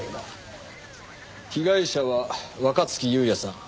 被害者は若月雄也さん。